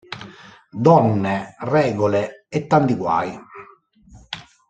Donne, regole... e tanti guai!